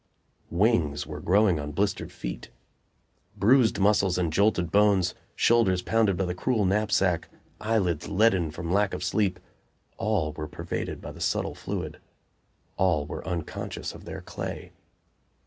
Wings were growing on blistered feet. Bruised muscles and jolted bones, shoulders pounded by the cruel knapsack, eyelids leaden from lack of sleep all were pervaded by the subtle fluid, all were unconscious of their clay.